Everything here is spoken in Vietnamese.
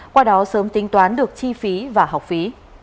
qua đó sớm tính toán được chi phí và học phí